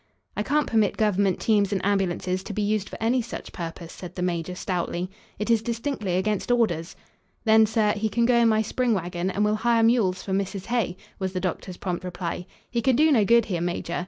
"I can't permit government teams and ambulances to be used for any such purpose," said the major, stoutly. "It is distinctly against orders." "Then, sir, he can go in my spring wagon and we'll hire mules from Mrs. Hay," was the doctor's prompt reply. "He can do no good here, major.